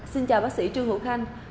xin chào bác sĩ trương hữu khanh